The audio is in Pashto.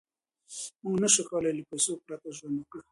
موږ نشو کولای له پیسو پرته ژوند وکړو.